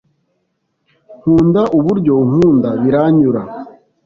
Nkunda uburyo unkunda biranyura